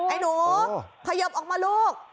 ไอ้หนูขยบออกมาลูก